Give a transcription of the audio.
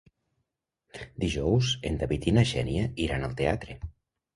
Dijous en David i na Xènia iran al teatre.